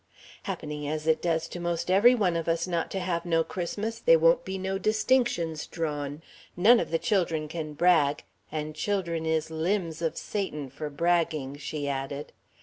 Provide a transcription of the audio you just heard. "Happening as it does to most every one of us not to have no Christmas, they won't be no distinctions drawn. None of the children can brag and children is limbs of Satan for bragging," she added.